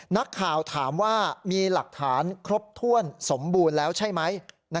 นักข่าวถามว่ามีหลักฐานครบถ้วนสมบูรณ์แล้วใช่ไหม